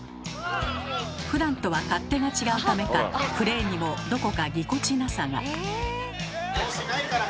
ふだんとは勝手が違うためかプレーにもどこかぎこちなさが。